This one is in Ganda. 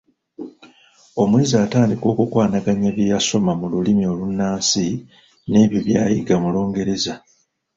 Omuyizi atandika okukwanaganya bye yasoma mu lulimi olunnansi n’ebyo byayiga mu lungereza.